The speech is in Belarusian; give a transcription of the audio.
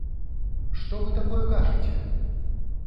Што вы такое кажаце?!